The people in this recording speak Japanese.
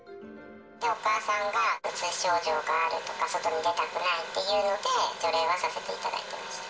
お母さんがうつ症状があるとか、外に出たくないっていうので、除霊はさせていただきました。